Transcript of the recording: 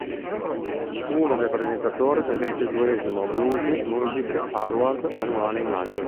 Fu uno dei presentatori del ventiduesimo Blues Music Award annuale in maggio.